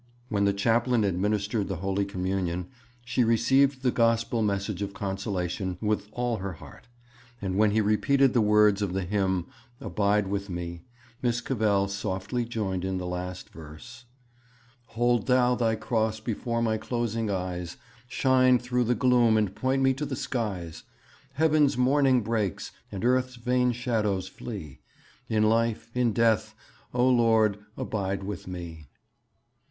When the chaplain administered the Holy Communion, she received the gospel message of consolation with all her heart; and when he repeated the words of the hymn 'Abide with me,' Miss Cavell softly joined in the last verse: Hold Thou Thy cross before my closing eyes; Shine through the gloom and point me to the skies; Heaven's morning breaks, and earth's vain shadows flee; In life, in death, O Lord, abide with me.